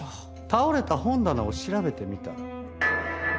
倒れた本棚を調べてみた。